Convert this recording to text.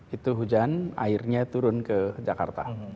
itu hujan airnya turun ke jakarta